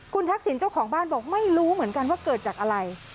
คุณทักษิณเจ้าของบ้านบอกไม่รู้เหมือนกันว่าเกิดจากอะไร